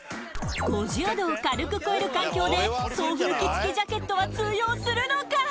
５０℃を軽く超える環境で送風機付きジャケットは通用するのか？